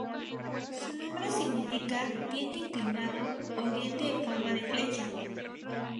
Su nombre significa "diente inclinado" o "diente en forma de flecha".